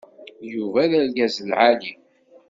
Yuba d argaz n lεali.